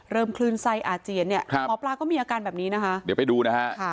คลื่นไส้อาเจียนเนี่ยหมอปลาก็มีอาการแบบนี้นะคะเดี๋ยวไปดูนะฮะ